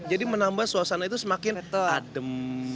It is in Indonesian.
menambah suasana itu semakin adem